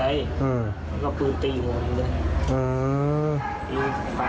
แล้วก็ปืนตีเหมือนกัน